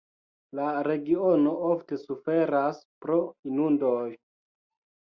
La regiono ofte suferas pro inundoj.